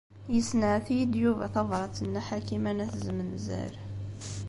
Yessenɛet-iyi-d Yuba tabṛat n Nna Ḥakima n At Zmenzer.